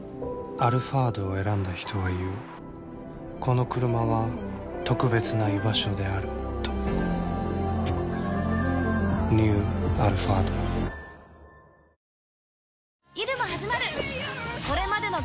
「アルファード」を選んだ人は言うこのクルマは特別な居場所であるとニュー「アルファード」もうさ